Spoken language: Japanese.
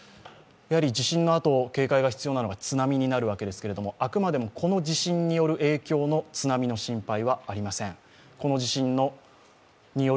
地震のあと、警戒が必要なのが津波になるわけですがあくまでもこの地震による影響の津波の心配はありません。